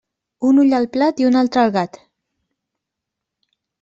Un ull al plat i un altre al gat.